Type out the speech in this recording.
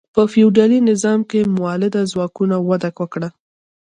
په فیوډالي نظام کې مؤلده ځواکونه وده وکړه.